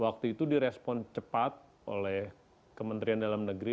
waktu itu direspon cepat oleh kementerian dalam negeri